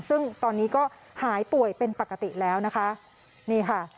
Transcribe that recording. ซึ่งตอนนี้ก็หายป่วยเป็นปกติแล้วนะคะนี่ค่ะ